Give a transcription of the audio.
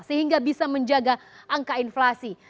sehingga bisa menjaga angka inflasi